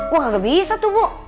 wah gak bisa tuh bu